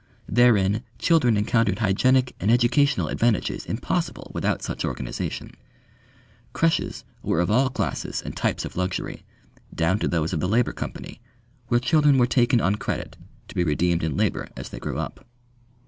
Therein children encountered hygienic and educational advantages impossible without such organisation. Creches were of all classes and types of luxury, down to those of the Labour Company, where children were taken on credit, to be redeemed in labour as they grew up.